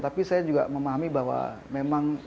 tapi saya juga memahami bahwa memang